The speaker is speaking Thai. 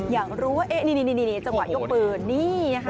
อยากรู้ว่านี่จังหวะยกปืนนี่นะคะ